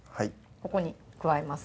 ここに加えます